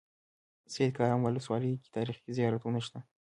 سیدکرم ولسوالۍ کې تاریخي زيارتونه شته.